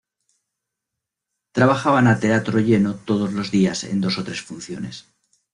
Trabajaban a teatro lleno todos los días en dos o tres funciones.